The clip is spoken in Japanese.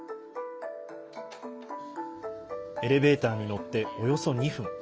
エレベーターに乗っておよそ２分。